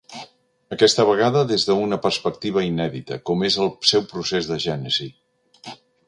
Aquesta vegada des d'una perspectiva inèdita, com és el seu procés de gènesi.